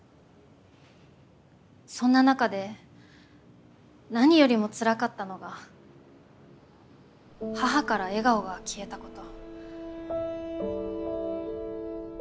そんな中で何よりもつらかったのが母から笑顔が消えたこと。